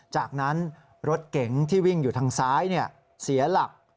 จากนั้นรถเก๋งที่วิ่งอยู่ทางซ้ายเสียหลัก